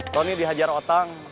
tony dihajar otang